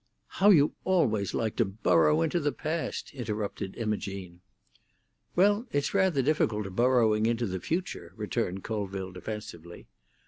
"How you always like to burrow into the past!" interrupted Imogene. "Well, it's rather difficult burrowing into the future," returned Colville defensively.